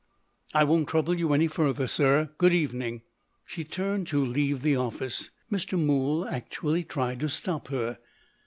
"I won't trouble you any further, sir. Good evening!" She turned to leave the office. Mr. Mool actually tried to stop her.